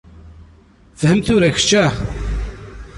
Fhem tura kečč, ah!